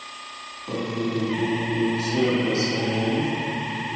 بلکہ جُھگیاں دے پورے شہر بَسّے دے ہن۔